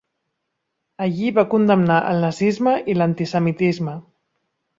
Allí va condemnar el nazisme i l'antisemitisme.